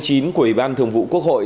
của ủy ban thường vụ quốc hội